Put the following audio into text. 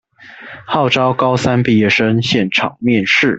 號召高三畢業生現場面試